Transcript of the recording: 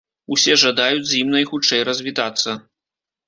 Усе жадаюць з ім найхутчэй развітацца.